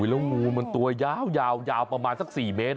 แล้วงูมันตัวยาวประมาณสัก๔เมตร